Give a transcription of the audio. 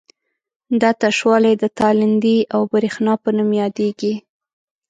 دا تشوالی د تالندې او برېښنا په نوم یادیږي.